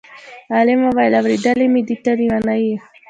عالم وویل: اورېدلی مې دی ته لېونی یې.